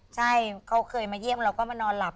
ใช่เขาเคยมาเยี่ยมเราก็มานอนหลับ